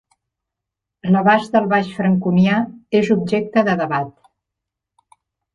L'abast del baix franconià és objecte de debat.